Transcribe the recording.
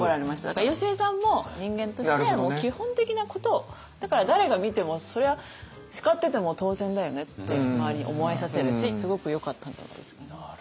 だからよしえさんも人間として基本的なことをだから誰が見てもそれは叱ってても当然だよねって周りに思えさせるしすごくよかったんじゃないですかね。